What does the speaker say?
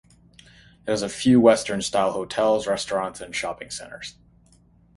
It has a few western-style hotels, restaurants and shopping centres.